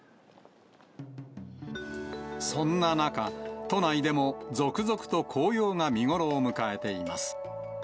そんな中、都内でも続々と紅葉が見頃を迎えています。